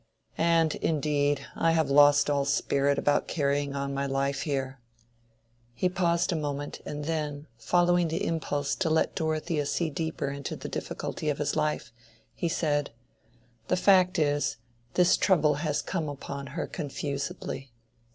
"And, indeed, I have lost all spirit about carrying on my life here." He paused a moment and then, following the impulse to let Dorothea see deeper into the difficulty of his life, he said, "The fact is, this trouble has come upon her confusedly.